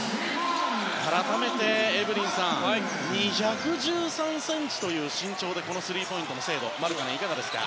改めてエブリンさん２１３ｃｍという身長でこのスリーポイントの精度マルカネン、いかがですか？